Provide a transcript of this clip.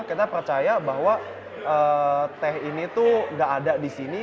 kita percaya bahwa teh ini tuh gak ada di sini